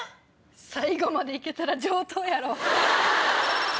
最後まで行けたら上等やろ。